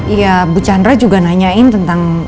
iya bu chandra juga nanyain tentang